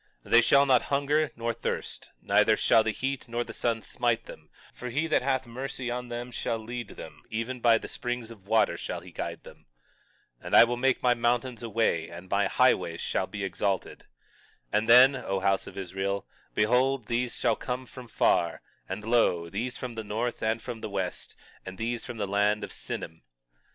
21:10 They shall not hunger nor thirst, neither shall the heat nor the sun smite them; for he that hath mercy on them shall lead them, even by the springs of water shall he guide them. 21:11 And I will make all my mountains a way, and my highways shall be exalted. 21:12 And then, O house of Israel, behold, these shall come from far; and lo, these from the north and from the west; and these from the land of Sinim.